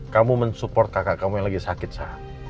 kamu mensupport kakak kamu yang lagi sakit